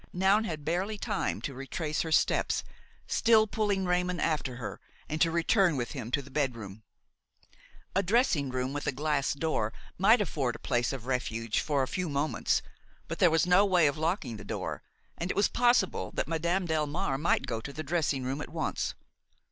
Noun had barely time to retrace her steps, still pulling Raymon after her, and to return with him to the bedroom. A dressing room, with a glass door, might afford a place of refuge for a few moments; but there was no way of locking the door, and it was possible that Madame Delmare might go to the dressing room at once.